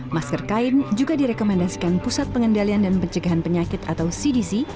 masker kain juga direkomendasikan pusat pengendalian dan pencegahan penyakit atau cdc